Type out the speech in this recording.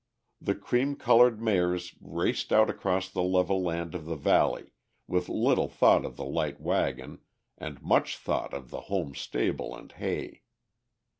The cream coloured mares raced out across the level land of the valley, with little thought of the light wagon and much thought of the home stable and hay.